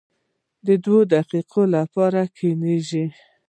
د دوو دقیقو لپاره یې کښېږدئ.